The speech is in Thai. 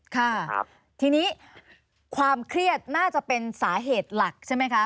ครับทีนี้ความเครียดน่าจะเป็นสาเหตุหลักใช่ไหมคะ